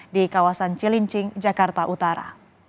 di kawasan cilincing jakarta utara